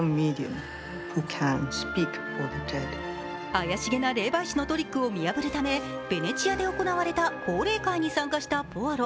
怪しげな霊媒師のトリックを見破るため、ベネチアで行われた降霊会に参加したポアロ。